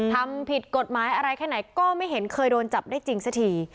ทำผิดกฎหมายอะไรแค่ไหนก็ไม่เห็นเคยโดนจับได้จริงสักที